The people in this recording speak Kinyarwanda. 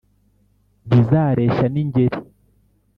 Ntizareshya n' Ingeri,